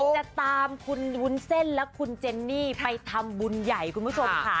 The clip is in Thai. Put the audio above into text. จะตามคุณวุ้นเส้นและคุณเจนนี่ไปทำบุญใหญ่คุณผู้ชมค่ะ